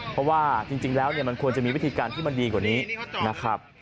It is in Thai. เพราะว่าจริงแล้วมันควรจะมีวิธีการที่มันดีกว่านี้นะครับ